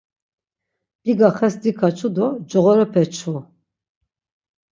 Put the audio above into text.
Biga xes dikaçu do coğorepe çvu.